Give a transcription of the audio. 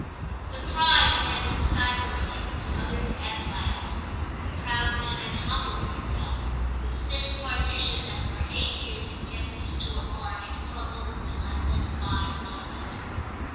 * The cry that had been stifling him was uttered at last, the proud man had humbled himself, the thin partition that for eight years XII TIM 297 had kept these two apart had crumbled and let them find one another.